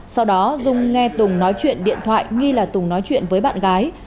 sau đó dung nghe tùng nói chuyện điện thoại nghi là tùng nói chuyện với bạn gái